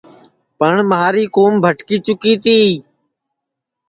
پٹؔ مہاری کُوم بھٹکی چُکی تی